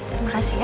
terima kasih ya